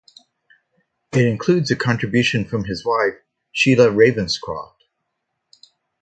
It includes a contribution from his wife Sheila Ravenscroft.